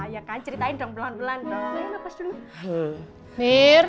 ya kan ceritain dong bulan bulan dong